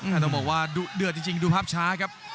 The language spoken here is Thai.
ต้องบอกว่าดุเดือดจริงดูภาพช้าครับ